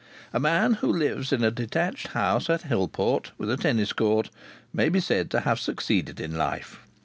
A man who lives in a detached house at Hillport, with a tennis court, may be said to have succeeded in life.